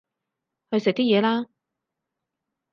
去食啲嘢啦